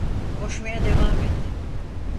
Koşmaya devam et!